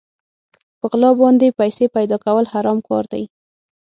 په غلا باندې پيسې پيدا کول حرام کار دی.